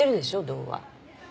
童話。